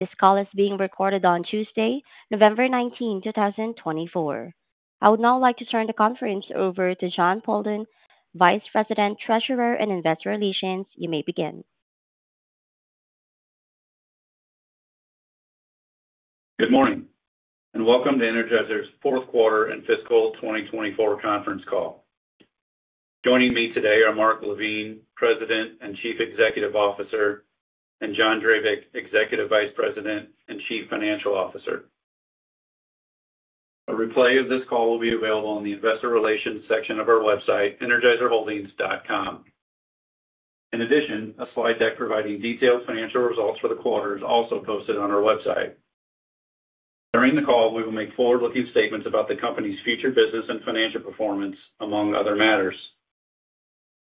This call is being recorded on Tuesday, November 19, 2024. I would now like to turn the conference over to Jon Poldan, Vice President, Treasurer, and Investor Relations. You may begin. Good morning and welcome to Energizer's fourth quarter and fiscal 2024 conference call. Joining me today are Mark LaVigne, President and Chief Executive Officer, and John Drabik, Executive Vice President and Chief Financial Officer. A replay of this call will be available on the Investor Relations section of our website, energizerholdings.com. In addition, a slide deck providing detailed financial results for the quarter is also posted on our website. During the call, we will make forward-looking statements about the company's future business and financial performance, among other matters.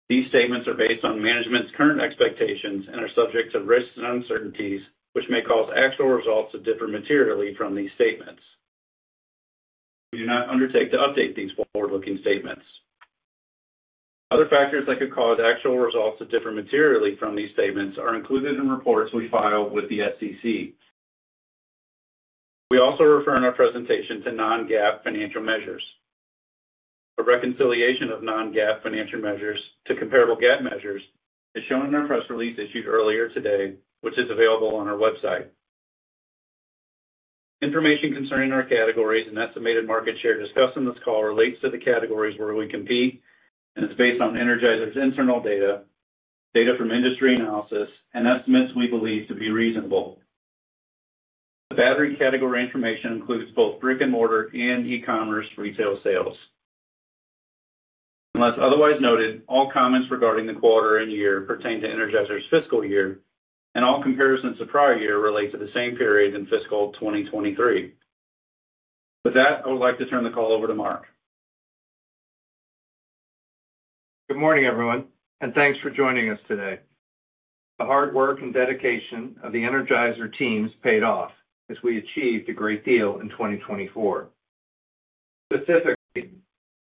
These statements are based on management's current expectations and are subject to risks and uncertainties, which may cause actual results to differ materially from these statements. We do not undertake to update these forward-looking statements. Other factors that could cause actual results to differ materially from these statements are included in reports we file with the SEC. We also refer in our presentation to non-GAAP financial measures. A reconciliation of non-GAAP financial measures to comparable GAAP measures is shown in our press release issued earlier today, which is available on our website. Information concerning our categories and estimated market share discussed in this call relates to the categories where we compete and is based on Energizer's internal data, data from industry analysis, and estimates we believe to be reasonable. The battery category information includes both brick-and-mortar and e-commerce retail sales. Unless otherwise noted, all comments regarding the quarter and year pertain to Energizer's fiscal year, and all comparisons to prior year relate to the same period in fiscal 2023. With that, I would like to turn the call over to Mark. Good morning, everyone, and thanks for joining us today. The hard work and dedication of the Energizer team has paid off as we achieved a great deal in 2024. Specifically,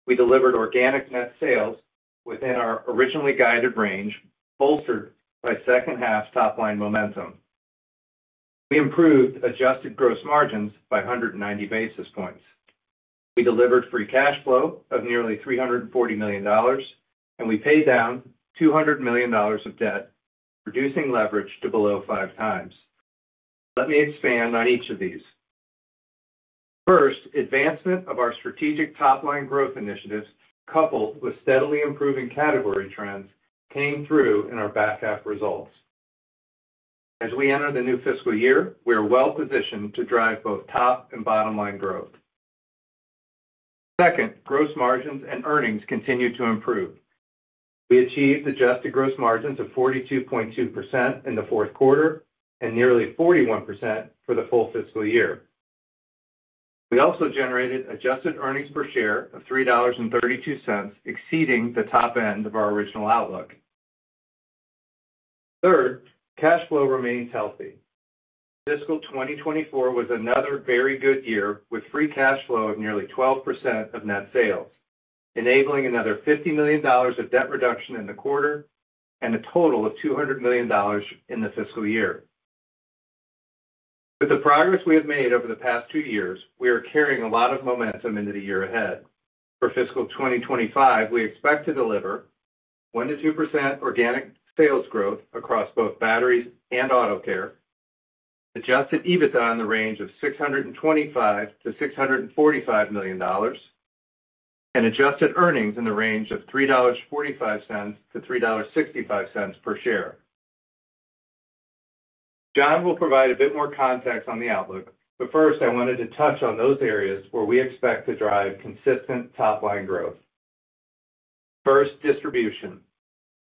we delivered organic net sales within our originally guided range, bolstered by second-half top-line momentum. We improved adjusted gross margins by 190 basis points. We delivered free cash flow of nearly $340 million, and we paid down $200 million of debt, reducing leverage to below five times. Let me expand on each of these. First, advancement of our strategic top-line growth initiatives, coupled with steadily improving category trends, came through in our back half results. As we enter the new fiscal year, we are well positioned to drive both top and bottom line growth. Second, gross margins and earnings continue to improve. We achieved adjusted gross margins of 42.2% in the fourth quarter and nearly 41% for the full fiscal year. We also generated Adjusted Earnings Per Share of $3.32, exceeding the top end of our original outlook. Third, cash flow remains healthy. Fiscal 2024 was another very good year with free cash flow of nearly 12% of net sales, enabling another $50 million of debt reduction in the quarter and a total of $200 million in the fiscal year. With the progress we have made over the past two years, we are carrying a lot of momentum into the year ahead. For fiscal 2025, we expect to deliver 1%-2% organic sales growth across both batteries and auto care, Adjusted EBITDA in the range $625 million-$645 million, and adjusted earnings in the range of $3.45-$3.65 per share. John will provide a bit more context on the outlook, but first, I wanted to touch on those areas where we expect to drive consistent top-line growth. First, distribution.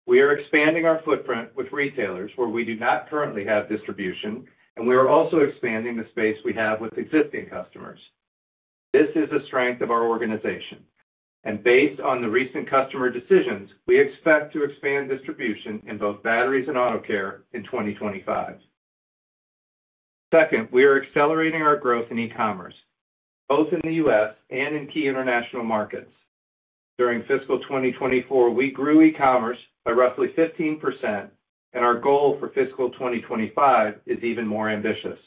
We are expanding our footprint with retailers where we do not currently have distribution, and we are also expanding the space we have with existing customers. This is a strength of our organization, and based on the recent customer decisions, we expect to expand distribution in both batteries and auto care in 2025. Second, we are accelerating our growth in e-commerce, both in the U.S. and in key international markets. During fiscal 2024, we grew e-commerce by roughly 15%, and our goal for fiscal 2025 is even more ambitious.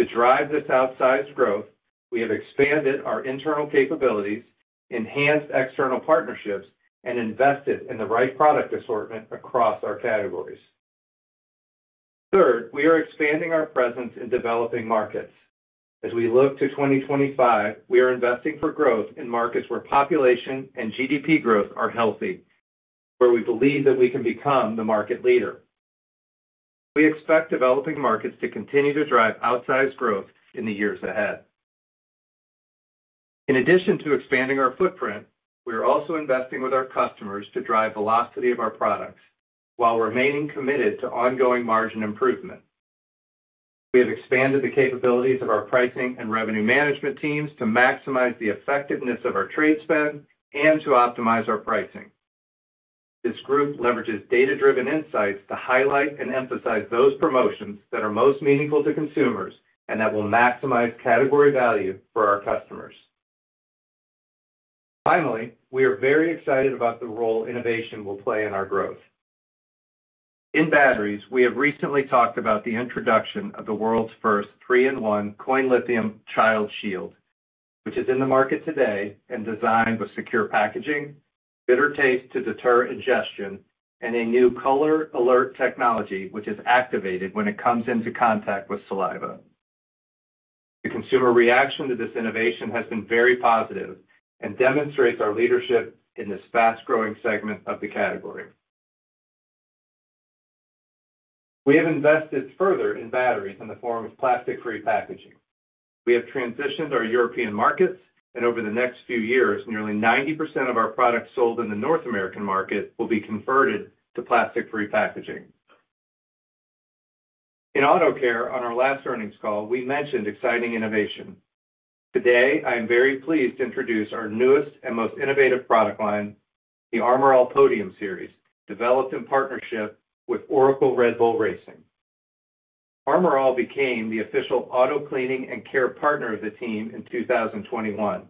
To drive this outsized growth, we have expanded our internal capabilities, enhanced external partnerships, and invested in the right product assortment across our categories. Third, we are expanding our presence in developing markets. As we look to 2025, we are investing for growth in markets where population and GDP growth are healthy, where we believe that we can become the market leader. We expect developing markets to continue to drive outsized growth in the years ahead. In addition to expanding our footprint, we are also investing with our customers to drive velocity of our products while remaining committed to ongoing margin improvement. We have expanded the capabilities of our pricing and revenue management teams to maximize the effectiveness of our trade spend and to optimize our pricing. This group leverages data-driven insights to highlight and emphasize those promotions that are most meaningful to consumers and that will maximize category value for our customers. Finally, we are very excited about the role innovation will play in our growth. In batteries, we have recently talked about the introduction of the world's first 3-in-1 Child Shield, which is in the market today and designed with secure packaging, bitter taste to deter ingestion, and a new color alert technology which is activated when it comes into contact with saliva. The consumer reaction to this innovation has been very positive and demonstrates our leadership in this fast-growing segment of the category. We have invested further in batteries in the form of plastic-free packaging. We have transitioned our European markets, and over the next few years, nearly 90% of our products sold in the North American market will be converted to plastic-free packaging. In auto care, on our last earnings call, we mentioned exciting innovation. Today, I am very pleased to introduce our newest and most innovative product line, the Armor All Podium Series, developed in partnership with Oracle Red Bull Racing. Armor All became the official auto cleaning and care partner of the team in 2021.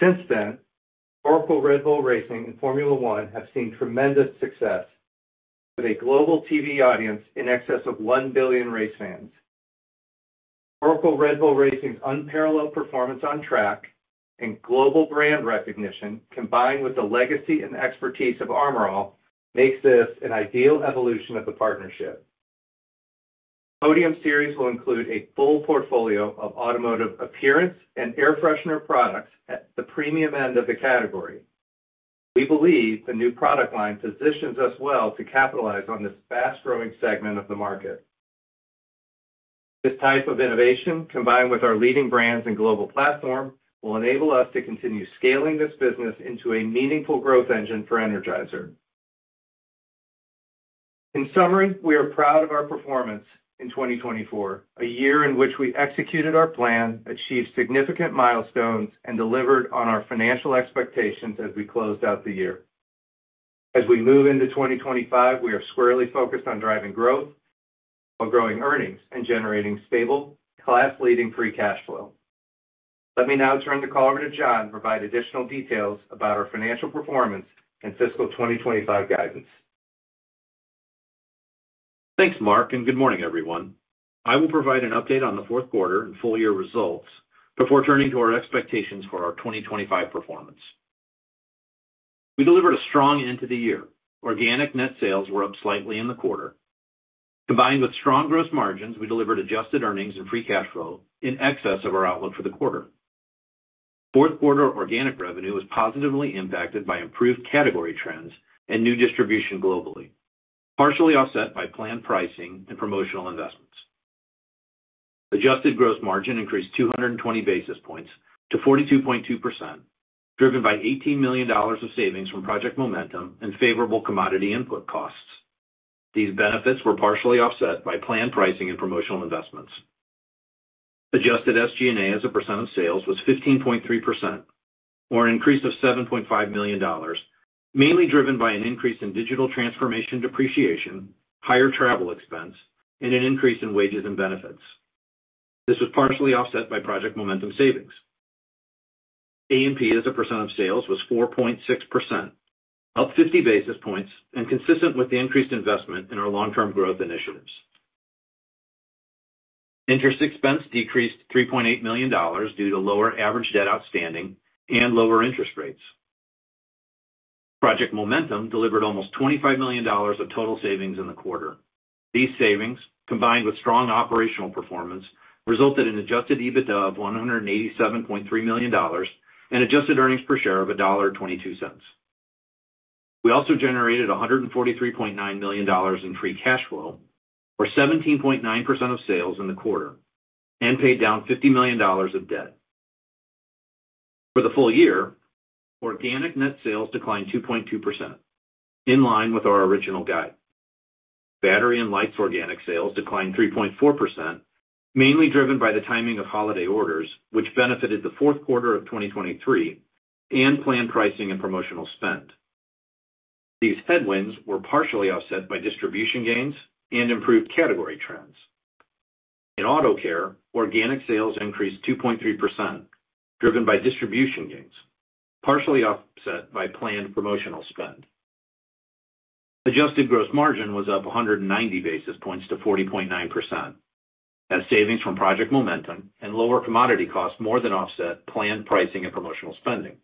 Since then, Oracle Red Bull Racing and Formula One have seen tremendous success, with a global TV audience in excess of 1 billion race fans. Oracle Red Bull Racing's unparalleled performance on track and global brand recognition, combined with the legacy and expertise of Armor All, makes this an ideal evolution of the partnership. The Podium Series will include a full portfolio of automotive appearance and air freshener products at the premium end of the category. We believe the new product line positions us well to capitalize on this fast-growing segment of the market. This type of innovation, combined with our leading brands and global platform, will enable us to continue scaling this business into a meaningful growth engine for Energizer. In summary, we are proud of our performance in 2024, a year in which we executed our plan, achieved significant milestones, and delivered on our financial expectations as we closed out the year. As we move into 2025, we are squarely focused on driving growth while growing earnings and generating stable, class-leading free cash flow. Let me now turn the call over to John to provide additional details about our financial performance and fiscal 2025 guidance. Thanks, Mark, and good morning, everyone. I will provide an update on the fourth quarter and full-year results before turning to our expectations for our 2025 performance. We delivered a strong end to the year. Organic Net Sales were up slightly in the quarter. Combined with strong gross margins, we delivered Adjusted Earnings and Free Cash Flow in excess of our outlook for the quarter. Fourth quarter organic revenue was positively impacted by improved category trends and new distribution globally, partially offset by planned pricing and promotional investments. Adjusted Gross Margin increased 220 basis points to 42.2%, driven by $18 million of savings from Project Momentum and favorable commodity input costs. These benefits were partially offset by planned pricing and promotional investments. Adjusted SG&A as a percent of sales was 15.3%, or an increase of $7.5 million, mainly driven by an increase in digital transformation depreciation, higher travel expense, and an increase in wages and benefits. This was partially offset by Project Momentum savings. A&P as a percent of sales was 4.6%, up 50 basis points and consistent with the increased investment in our long-term growth initiatives. Interest expense decreased $3.8 million due to lower average debt outstanding and lower interest rates. Project Momentum delivered almost $25 million of total savings in the quarter. These savings, combined with strong operational performance, resulted in adjusted EBITDA of $187.3 million and adjusted earnings per share of $1.22. We also generated $143.9 million in free cash flow, or 17.9% of sales in the quarter, and paid down $50 million of debt. For the full year, organic net sales declined 2.2%, in line with our original guide. Batteries and Lights organic sales declined 3.4%, mainly driven by the timing of holiday orders, which benefited the fourth quarter of 2023 and planned pricing and promotional spend. These headwinds were partially offset by distribution gains and improved category trends. In Auto Care, organic sales increased 2.3%, driven by distribution gains, partially offset by planned promotional spend. Adjusted Gross Margin was up 190 basis points to 40.9%, as savings from Project Momentum and lower commodity costs more than offset planned pricing and promotional spending.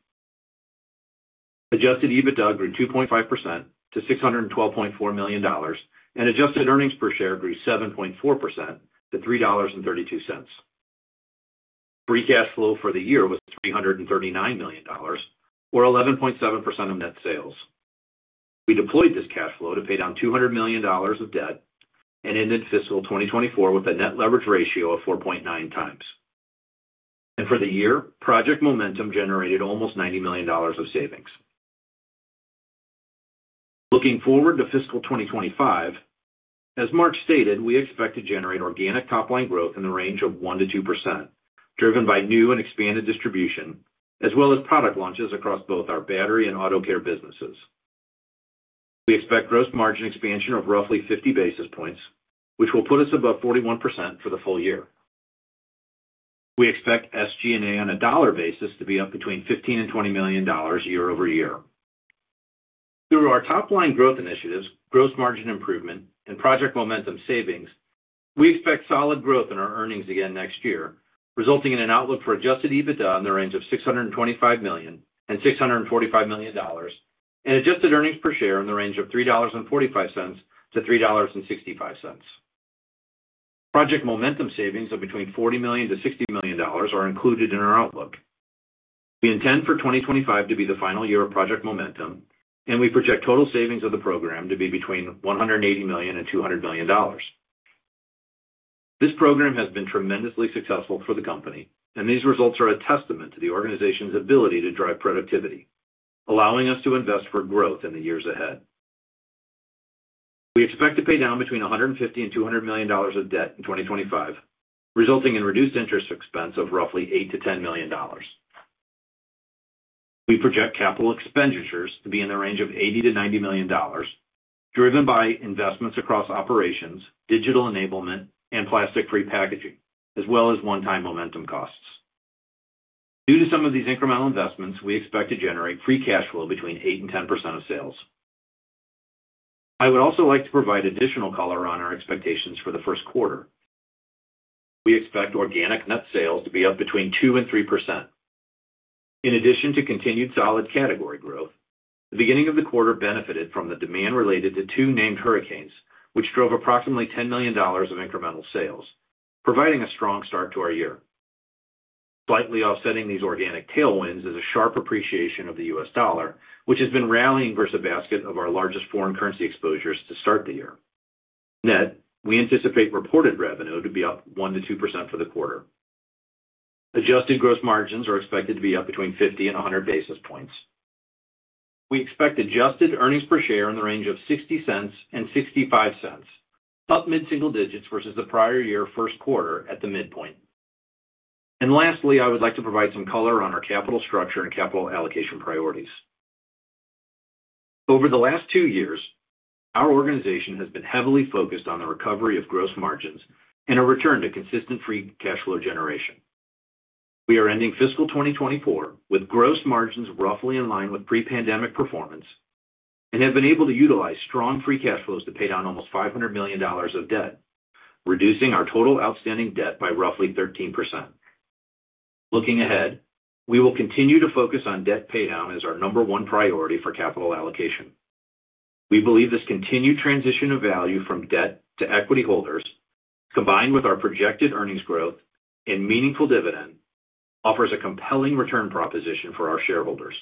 Adjusted EBITDA grew 2.5% to $612.4 million, and Adjusted Earnings Per Share grew 7.4% to $3.32. Free Cash Flow for the year was $339 million, or 11.7% of net sales. We deployed this cash flow to pay down $200 million of debt and ended fiscal 2024 with a net leverage ratio of 4.9 times, and for the year, Project Momentum generated almost $90 million of savings. Looking forward to fiscal 2025, as Mark stated, we expect to generate organic top-line growth in the range of 1%-2%, driven by new and expanded distribution, as well as product launches across both our battery and auto care businesses. We expect gross margin expansion of roughly 50 basis points, which will put us above 41% for the full year. We expect SG&A on a dollar basis to be up between $15 million-$20 million year over year. Through our top-line growth initiatives, gross margin improvement, and Project Momentum savings, we expect solid growth in our earnings again next year, resulting in an outlook for adjusted EBITDA in the range of $625 million-$645 million, and adjusted earnings per share in the range of $3.45-$3.65. Project Momentum savings of between $40 million-$60 million are included in our outlook. We intend for 2025 to be the final year of Project Momentum, and we project total savings of the program to be between $180 million-$200 million. This program has been tremendously successful for the company, and these results are a testament to the organization's ability to drive productivity, allowing us to invest for growth in the years ahead. We expect to pay down between $150 million-$200 million of debt in 2025, resulting in reduced interest expense of roughly $8 million-$10 million. We project capital expenditures to be in the range of $80 million-$90 million, driven by investments across operations, digital enablement, and plastic-free packaging, as well as one-time momentum costs. Due to some of these incremental investments, we expect to generate free cash flow between 8%-10% of sales. I would also like to provide additional color on our expectations for the first quarter. We expect organic net sales to be up between 2%-3%. In addition to continued solid category growth, the beginning of the quarter benefited from the demand related to two named hurricanes, which drove approximately $10 million of incremental sales, providing a strong start to our year. Slightly offsetting these organic tailwinds is a sharp appreciation of the U.S. dollar, which has been rallying versus a basket of our largest foreign currency exposures to start the year. Net, we anticipate reported revenue to be up 1%-2% for the quarter. Adjusted Gross Margins are expected to be up between 50 and 100 basis points. We expect Adjusted Earnings Per Share in the range of $0.60 and $0.65, up mid-single digits versus the prior year first quarter at the midpoint. And lastly, I would like to provide some color on our capital structure and capital allocation priorities. Over the last two years, our organization has been heavily focused on the recovery of Gross Margins and a return to consistent Free Cash Flow generation. We are ending fiscal 2024 with Gross Margins roughly in line with pre-pandemic performance and have been able to utilize strong Free Cash Flows to pay down almost $500 million of debt, reducing our total outstanding debt by roughly 13%. Looking ahead, we will continue to focus on debt paydown as our number one priority for capital allocation. We believe this continued transition of value from debt to equity holders, combined with our projected earnings growth and meaningful dividend, offers a compelling return proposition for our shareholders.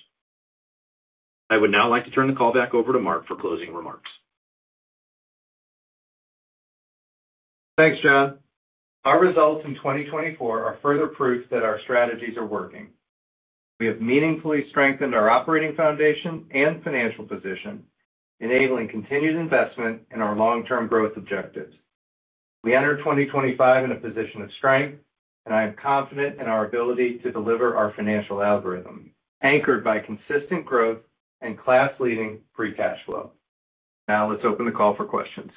I would now like to turn the call back over to Mark for closing remarks. Thanks, John. Our results in 2024 are further proof that our strategies are working. We have meaningfully strengthened our operating foundation and financial position, enabling continued investment in our long-term growth objectives. We enter 2025 in a position of strength, and I am confident in our ability to deliver our financial algorithm, anchored by consistent growth and class-leading free cash flow. Now let's open the call for questions.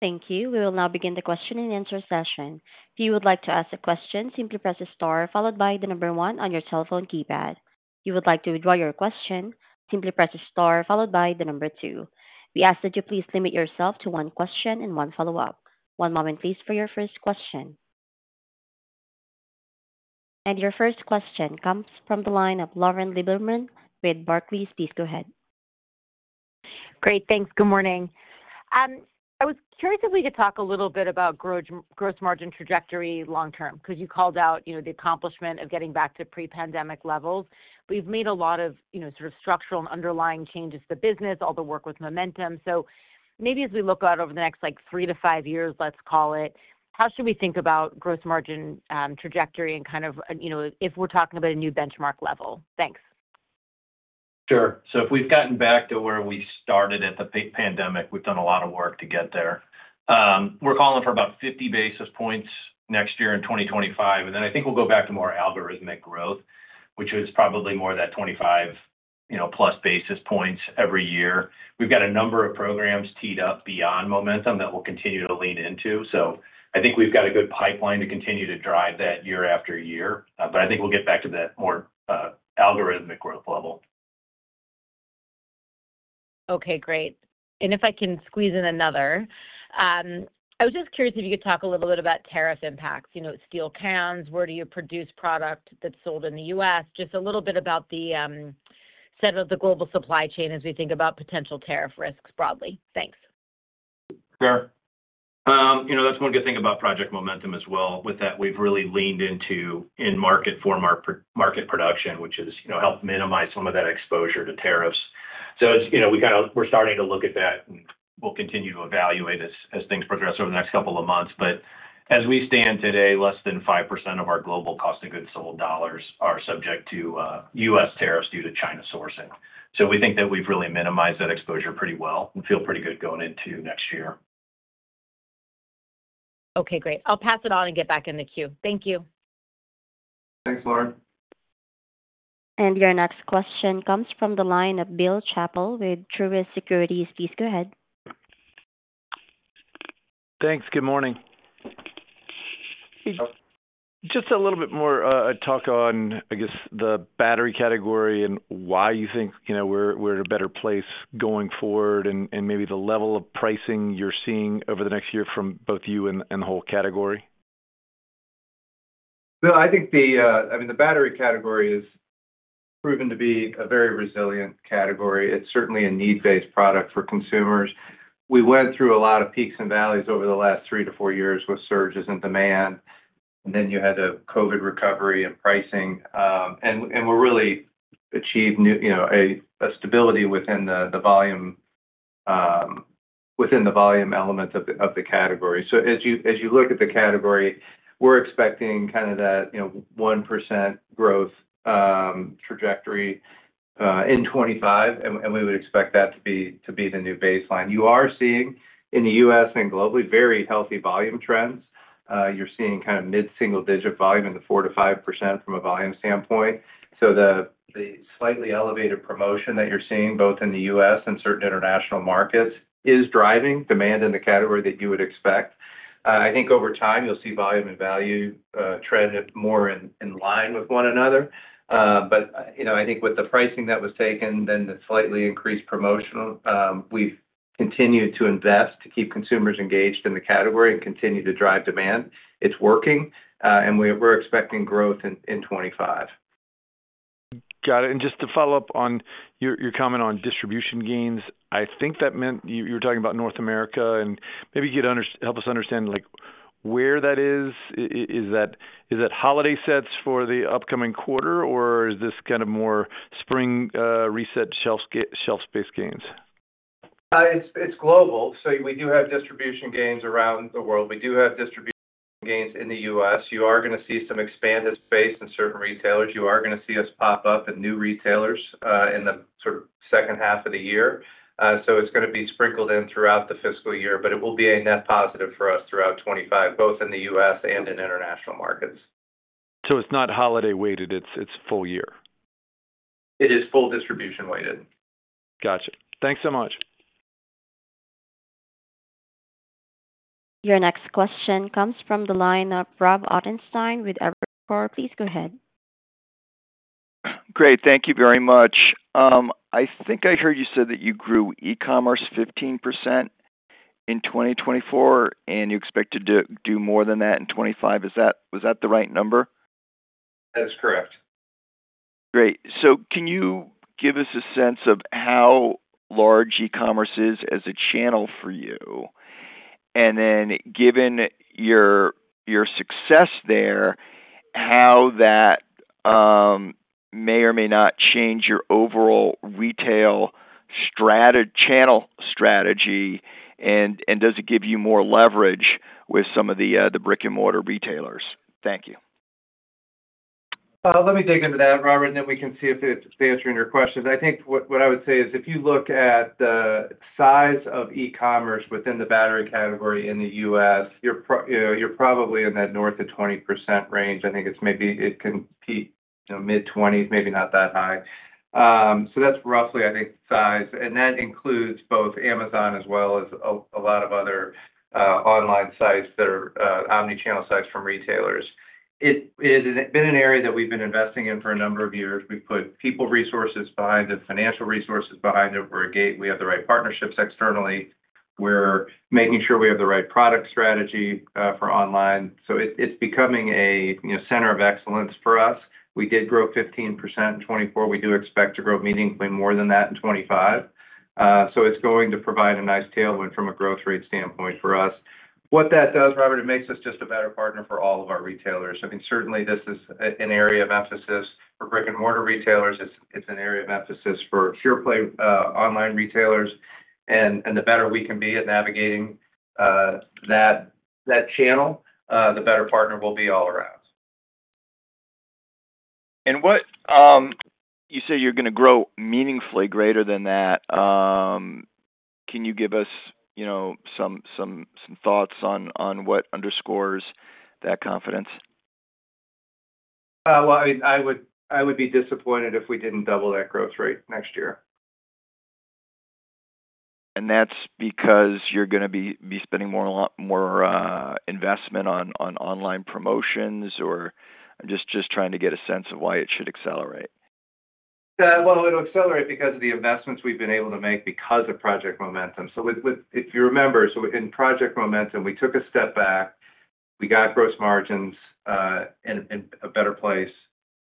Thank you. We will now begin the question and answer session. If you would like to ask a question, simply press the star followed by the number one on your telephone keypad. If you would like to withdraw your question, simply press the star followed by the number two. We ask that you please limit yourself to one question and one follow-up. One moment, please, for your first question. And your first question comes from the line of Lauren Lieberman with Barclays. Please go ahead. Great. Thanks. Good morning. I was curious if we could talk a little bit about gross margin trajectory long-term, because you called out the accomplishment of getting back to pre-pandemic levels. But you've made a lot of sort of structural and underlying changes to the business, all the work with momentum. So maybe as we look out over the next three to five years, let's call it, how should we think about gross margin trajectory and kind of if we're talking about a new benchmark level? Thanks. Sure, so if we've gotten back to where we started at the pandemic, we've done a lot of work to get there. We're calling for about 50 basis points next year in 2025, and then I think we'll go back to more algorithmic growth, which is probably more of that 25+ basis points every year. We've got a number of programs teed up beyond momentum that we'll continue to lean into. So I think we've got a good pipeline to continue to drive that year after year, but I think we'll get back to that more algorithmic growth level. Okay. Great. And if I can squeeze in another, I was just curious if you could talk a little bit about tariff impacts. Steel cans, where do you produce product that's sold in the U.S.? Just a little bit about the setup of the global supply chain as we think about potential tariff risks broadly. Thanks. Sure. That's one good thing about Project Momentum as well. With that, we've really leaned into in-market for market production, which has helped minimize some of that exposure to tariffs. So we're starting to look at that, and we'll continue to evaluate as things progress over the next couple of months. But as we stand today, less than 5% of our global cost of goods sold dollars are subject to U.S. tariffs due to China sourcing. So we think that we've really minimized that exposure pretty well and feel pretty good going into next year. Okay. Great. I'll pass it on and get back in the queue. Thank you. Thanks, Lauren. And your next question comes from the line of Bill Chappell with Truist Securities. Please go ahead. Thanks. Good morning. Hey. Just a little bit more talk on, I guess, the battery category and why you think we're in a better place going forward and maybe the level of pricing you're seeing over the next year from both you and the whole category? Bill, I think the battery category has proven to be a very resilient category. It's certainly a need-based product for consumers. We went through a lot of peaks and valleys over the last three to four years with surges in demand, and then you had the COVID recovery and pricing, and we're really achieving a stability within the volume element of the category, so as you look at the category, we're expecting kind of that 1% growth trajectory in 2025. And we would expect that to be the new baseline. You are seeing in the U.S. and globally very healthy volume trends. You're seeing kind of mid-single digit volume in the 4%-5% from a volume standpoint, so the slightly elevated promotion that you're seeing both in the U.S. and certain international markets is driving demand in the category that you would expect. I think over time, you'll see volume and value trend more in line with one another. But I think with the pricing that was taken, then the slightly increased promotion, we've continued to invest to keep consumers engaged in the category and continue to drive demand. It's working. And we're expecting growth in 2025. Got it. And just to follow up on your comment on distribution gains, I think that meant you were talking about North America and maybe help us understand where that is. Is that holiday sets for the upcoming quarter, or is this kind of more spring reset shelf space gains? It's global. So we do have distribution gains around the world. We do have distribution gains in the U.S. You are going to see some expanded space in certain retailers. You are going to see us pop up in new retailers in the sort of second half of the year. So it's going to be sprinkled in throughout the fiscal year. But it will be a net positive for us throughout 2025, both in the U.S. and in international markets. So it's not holiday-weighted. It's full year. It is full distribution-weighted. Gotcha. Thanks so much. Your next question comes from the line of Rob Ottenstein with Evercore. Please go ahead. Great. Thank you very much. I think I heard you said that you grew e-commerce 15% in 2024, and you expected to do more than that in 2025. Was that the right number? That is correct. Great. So can you give us a sense of how large e-commerce is as a channel for you? And then given your success there, how that may or may not change your overall retail channel strategy, and does it give you more leverage with some of the brick-and-mortar retailers? Thank you. Let me dig into that, Robert, and then we can see if it's answering your questions. I think what I would say is if you look at the size of e-commerce within the battery category in the U.S., you're probably in that north of 20% range. I think it's maybe it can peak mid-20s, maybe not that high. So that's roughly, I think, size. And that includes both Amazon as well as a lot of other online sites that are omnichannel sites from retailers. It has been an area that we've been investing in for a number of years. We've put people resources behind it, financial resources behind it. We're a gate. We have the right partnerships externally. We're making sure we have the right product strategy for online. So it's becoming a center of excellence for us. We did grow 15% in 2024. We do expect to grow meaningfully more than that in 2025. So it's going to provide a nice tailwind from a growth rate standpoint for us. What that does, Robert, it makes us just a better partner for all of our retailers. I mean, certainly, this is an area of emphasis for brick-and-mortar retailers. It's an area of emphasis for pure-play online retailers, and the better we can be at navigating that channel, the better partner we'll be all around. And you say you're going to grow meaningfully greater than that. Can you give us some thoughts on what underscores that confidence? I mean, I would be disappointed if we didn't double that growth rate next year. That's because you're going to be spending more investment on online promotions or just trying to get a sense of why it should accelerate? It'll accelerate because of the investments we've been able to make because of Project Momentum. If you remember, in Project Momentum, we took a step back. We got gross margins in a better place.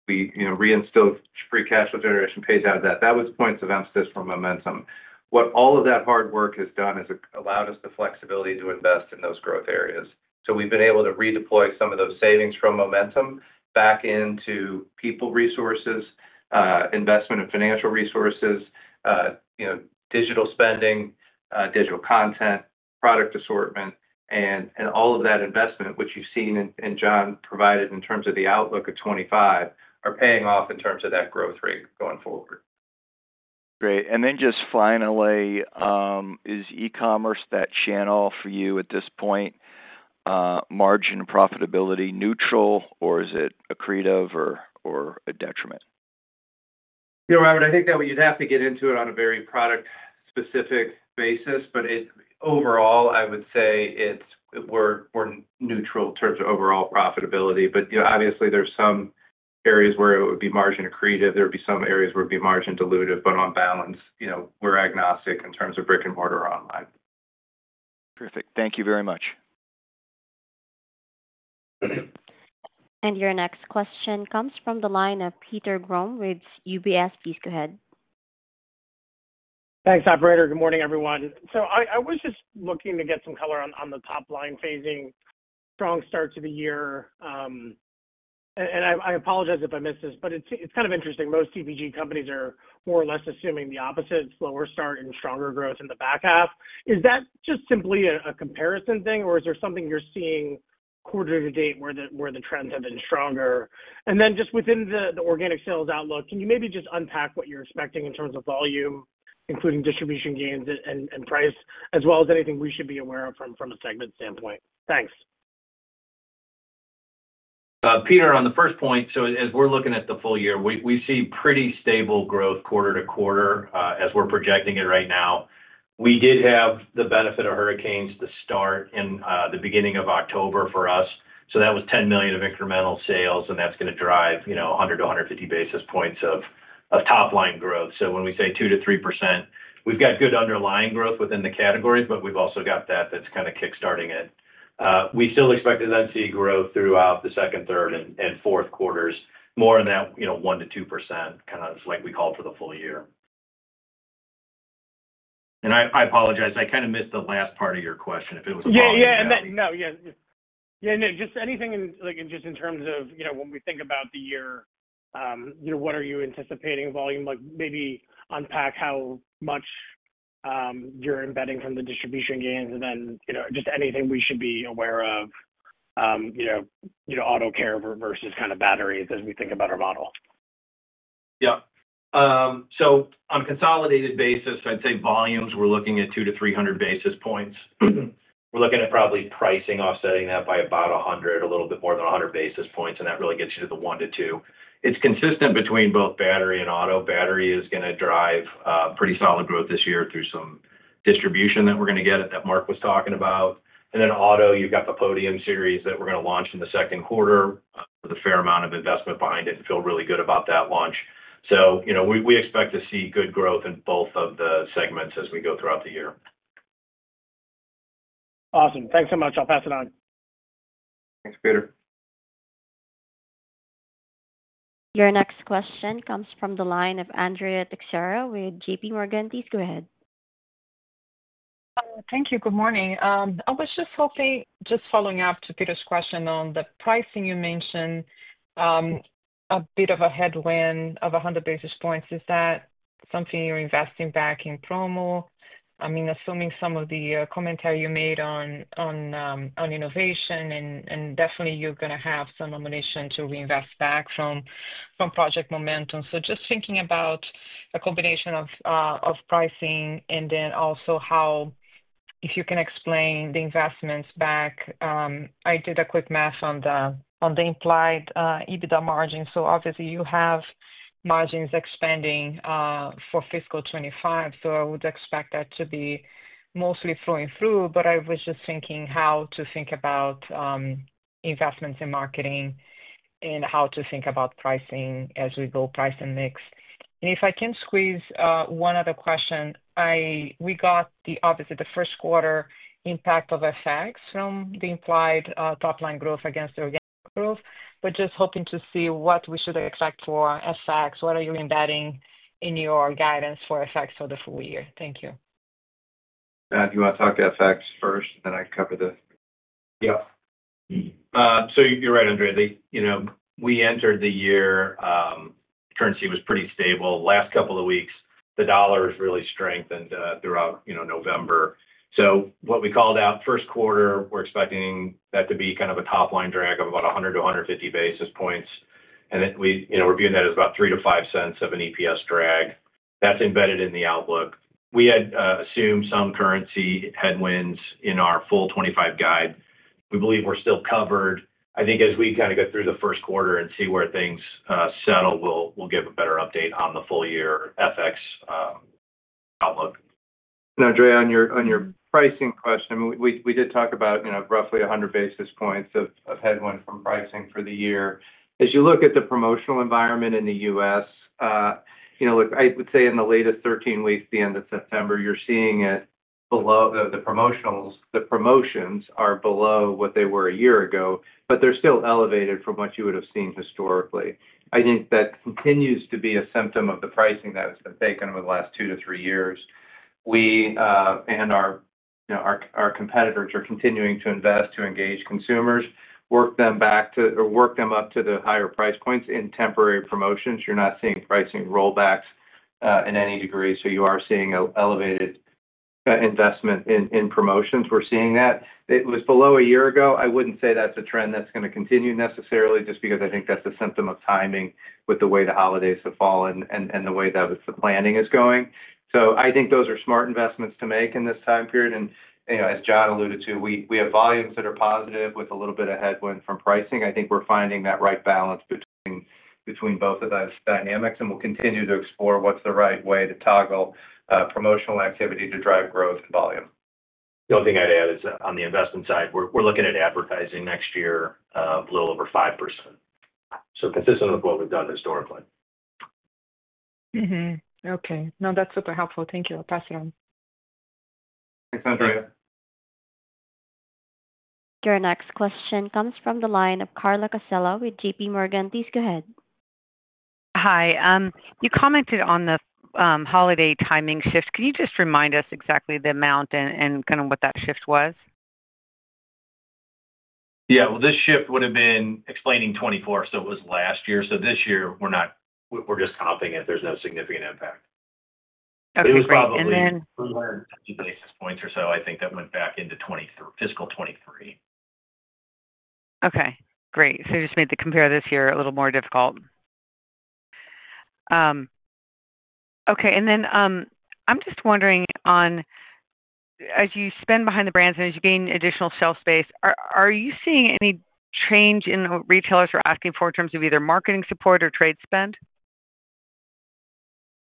We reinstilled Free Cash Flow generation pays out of that. That was points of emphasis for Momentum. What all of that hard work has done is allowed us the flexibility to invest in those growth areas. We've been able to redeploy some of those savings from Momentum back into people resources, investment in financial resources, digital spending, digital content, product assortment, and all of that investment, which you've seen in John provided in terms of the outlook of 2025, are paying off in terms of that growth rate going forward. Great. And then just finally, is e-commerce that channel for you at this point, margin and profitability neutral, or is it accretive or a detriment? You know, Robert, I think that we'd have to get into it on a very product-specific basis. But overall, I would say we're neutral in terms of overall profitability. But obviously, there's some areas where it would be margin accretive. There would be some areas where it would be margin dilutive. But on balance, we're agnostic in terms of brick-and-mortar online. Perfect. Thank you very much. Your next question comes from the line of Peter Grom with UBS. Please go ahead. Thanks, operator. Good morning, everyone. So I was just looking to get some color on the top line phasing. Strong start to the year. And I apologize if I missed this, but it's kind of interesting. Most CPG companies are more or less assuming the opposite: slower start and stronger growth in the back half. Is that just simply a comparison thing, or is there something you're seeing quarter to date where the trends have been stronger? And then just within the organic sales outlook, can you maybe just unpack what you're expecting in terms of volume, including distribution gains and price, as well as anything we should be aware of from a segment standpoint? Thanks. Peter, on the first point, so as we're looking at the full year, we see pretty stable growth quarter to quarter as we're projecting it right now. We did have the benefit of hurricanes to start in the beginning of October for us. So that was $10 million of incremental sales, and that's going to drive 100-150 basis points of top-line growth. So when we say 2%-3%, we've got good underlying growth within the categories, but we've also got that that's kind of kickstarting it. We still expect to then see growth throughout the second, third, and fourth quarters, more in that 1%-2%, kind of like we called for the full year. And I apologize. I kind of missed the last part of your question. If it was a follow-up. Yeah. No, just in terms of when we think about the year, what are you anticipating volume? Maybe unpack how much you're embedding from the distribution gains, and then just anything we should be aware of, auto care versus kind of batteries as we think about our model. Yeah. So on a consolidated basis, I'd say volumes we're looking at two to 300 basis points. We're looking at probably pricing offsetting that by about 100, a little bit more than 100 basis points. And that really gets you to the one to two. It's consistent between both battery and auto. Battery is going to drive pretty solid growth this year through some distribution that we're going to get at that Mark was talking about. And then auto, you've got the Podium Series that we're going to launch in the second quarter with a fair amount of investment behind it and feel really good about that launch. So we expect to see good growth in both of the segments as we go throughout the year. Awesome. Thanks so much. I'll pass it on. Thanks, Peter. Your next question comes from the line of Andrea Teixeira with JPMorgan. Please go ahead. Thank you. Good morning. I was just hoping just following up to Peter's question on the pricing you mentioned, a bit of a headwind of 100 basis points. Is that something you're investing back in promo? I mean, assuming some of the commentary you made on innovation, and definitely you're going to have some ammunition to reinvest back from Project Momentum. So just thinking about a combination of pricing and then also how, if you can explain the investments back. I did a quick math on the implied EBITDA margin. So obviously, you have margins expanding for fiscal 2025. So I would expect that to be mostly flowing through. But I was just thinking how to think about investments in marketing and how to think about pricing as we go price and mix. And if I can squeeze one other question, we got, obviously, the first quarter impact of effects from the implied top-line growth against the organic growth. But just hoping to see what we should expect for effects. What are you embedding in your guidance for effects for the full year? Thank you. Do you want to talk to effects first, and then I cover the? Yeah. So you're right, Andrea. We entered the year. Currency was pretty stable. Last couple of weeks, the dollar has really strengthened throughout November. So what we called out first quarter, we're expecting that to be kind of a top-line drag of about 100-150 basis points. And we're viewing that as about $0.03-$0.05 of an EPS drag. That's embedded in the outlook. We had assumed some currency headwinds in our full 2025 guide. We believe we're still covered. I think as we kind of go through the first quarter and see where things settle, we'll give a better update on the full year effects outlook. Andrea, on your pricing question, we did talk about roughly 100 basis points of headwind from pricing for the year. As you look at the promotional environment in the U.S., look, I would say in the latest 13 weeks, the end of September, you're seeing the promotions are below what they were a year ago, but they're still elevated from what you would have seen historically. I think that continues to be a symptom of the pricing that has been taken over the last two to three years. We and our competitors are continuing to invest to engage consumers, work them back to or work them up to the higher price points in temporary promotions. You're not seeing pricing rollbacks in any degree. So you are seeing elevated investment in promotions. We're seeing that. It was below a year ago. I wouldn't say that's a trend that's going to continue necessarily just because I think that's a symptom of timing with the way the holidays have fallen and the way that the planning is going. So I think those are smart investments to make in this time period. And as John alluded to, we have volumes that are positive with a little bit of headwind from pricing. I think we're finding that right balance between both of those dynamics, and we'll continue to explore what's the right way to toggle promotional activity to drive growth and volume. The only thing I'd add is on the investment side, we're looking at advertising next year of a little over 5%. So consistent with what we've done historically. Okay. Now, that's super helpful. Thank you. I'll pass it on. Thanks, Andrea. Your next question comes from the line of Carla Casella with JPMorgan. Please go ahead. Hi. You commented on the holiday timing shift. Can you just remind us exactly the amount and kind of what that shift was? Yeah. Well, this shift would have been explaining 2024. So it was last year. So this year, we're just comping it. There's no significant impact. Okay. And then. It was probably from the basis points or so, I think that went back into fiscal 2023. Okay. Great. So you just made the comp year a little more difficult. Okay. And then I'm just wondering, as you spend behind the brands and as you gain additional shelf space, are you seeing any change in what retailers are asking for in terms of either marketing support or trade spend?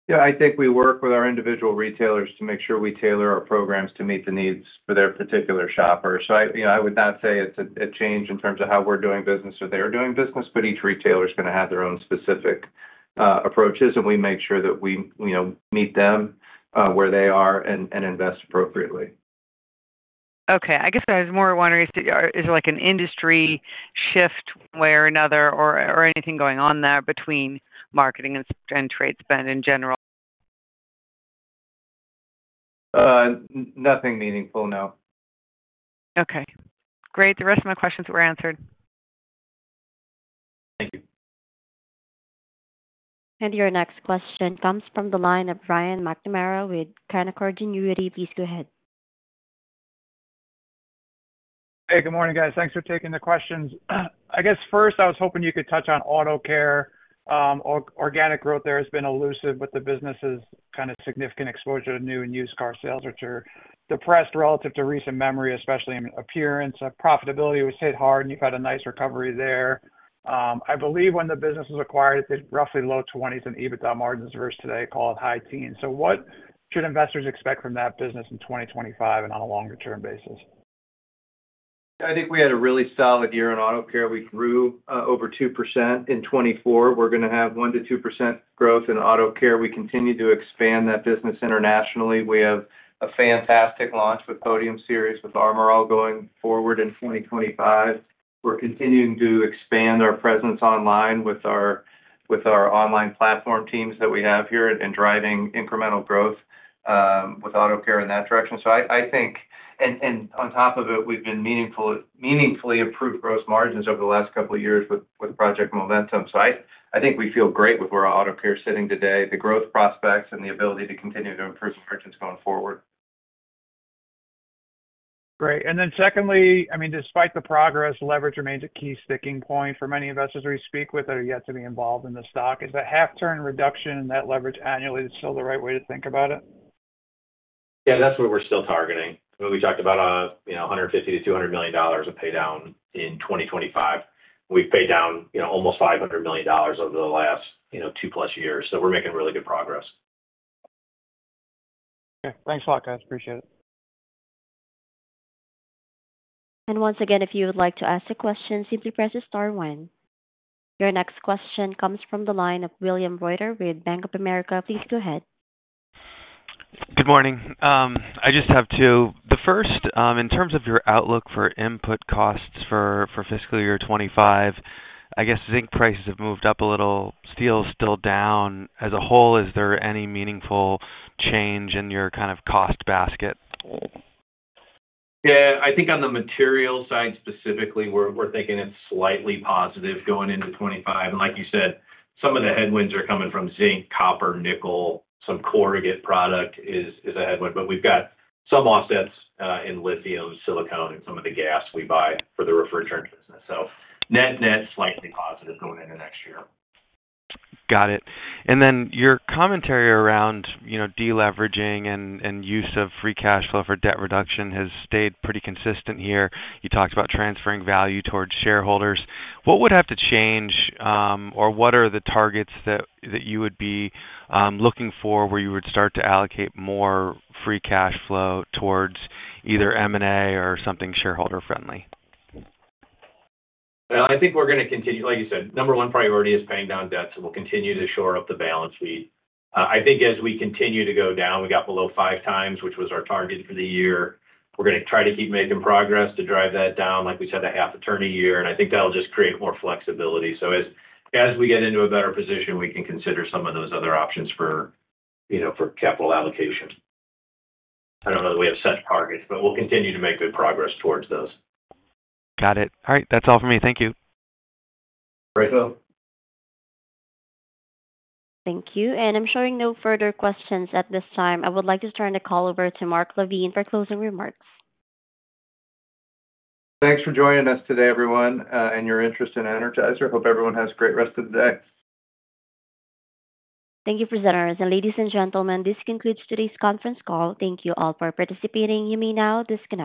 Yeah. I think we work with our individual retailers to make sure we tailor our programs to meet the needs for their particular shoppers. So I would not say it's a change in terms of how we're doing business or they're doing business, but each retailer is going to have their own specific approaches, and we make sure that we meet them where they are and invest appropriately. Okay. I guess I was more wondering, is there an industry shift one way or another or anything going on there between marketing and trade spend in general? Nothing meaningful, no. Okay. Great. The rest of my questions were answered. Thank you. And your next question comes from the line of Brian McNamara with Canaccord Genuity. Please go ahead. Hey, good morning, guys. Thanks for taking the questions. I guess first, I was hoping you could touch on auto care. Organic growth there has been elusive with the business's kind of significant exposure to new and used car sales, which are depressed relative to recent memory, especially in appearance. Profitability was hit hard, and you've had a nice recovery there. I believe when the business was acquired, it did roughly low-20s in EBITDA margins versus today, called high-teens. So what should investors expect from that business in 2025 and on a longer-term basis? I think we had a really solid year in auto care. We grew over 2% in 2024. We're going to have 1%-2% growth in auto care. We continue to expand that business internationally. We have a fantastic launch with Podium Series with Armor All going forward in 2025. We're continuing to expand our presence online with our online platform teams that we have here and driving incremental growth with auto care in that direction. So I think, and on top of it, we've been meaningfully improved gross margins over the last couple of years with Project Momentum. So I think we feel great with where auto care is sitting today, the growth prospects, and the ability to continue to improve margins going forward. Great. And then secondly, I mean, despite the progress, leverage remains a key sticking point for many investors we speak with that are yet to be involved in the stock. Is a half-turn reduction in that leverage annually still the right way to think about it? Yeah. That's what we're still targeting. We talked about $150 million-$200 million of paydown in 2025. We've paid down almost $500 million over the last two-plus years. So we're making really good progress. Okay. Thanks a lot, guys. Appreciate it. And once again, if you would like to ask a question, simply press the star one. Your next question comes from the line of William Reuter with Bank of America. Please go ahead. Good morning. I just have two. The first, in terms of your outlook for input costs for fiscal year 2025, I guess zinc prices have moved up a little. Steel's still down. As a whole, is there any meaningful change in your kind of cost basket? Yeah. I think on the material side specifically, we're thinking it's slightly positive going into 2025, and like you said, some of the headwinds are coming from zinc, copper, nickel. Some corrugated product is a headwind, but we've got some offsets in lithium, silicone, and some of the gas we buy for the refrigerant business, so net-net, slightly positive going into next year. Got it, and then your commentary around deleveraging and use of free cash flow for debt reduction has stayed pretty consistent here. You talked about transferring value towards shareholders. What would have to change, or what are the targets that you would be looking for where you would start to allocate more free cash flow towards either M&A or something shareholder-friendly? I think we're going to continue, like you said, number one priority is paying down debt, so we'll continue to shore up the balance sheet. I think as we continue to go down, we got below five times, which was our target for the year. We're going to try to keep making progress to drive that down. Like we said, a half-turn a year, and I think that'll just create more flexibility. So as we get into a better position, we can consider some of those other options for capital allocation. I don't know that we have set targets, but we'll continue to make good progress towards those. Got it. All right. That's all for me. Thank you. Great, Will. Thank you. I'm showing no further questions at this time. I would like to turn the call over to Mark LaVigne for closing remarks. Thanks for joining us today, everyone, and your interest in Energizer. Hope everyone has a great rest of the day. Thank you, presenters. And ladies and gentlemen, this concludes today's conference call. Thank you all for participating. You may now disconnect.